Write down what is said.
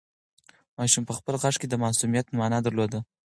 ماشوم په خپل غږ کې د معصومیت مانا درلوده.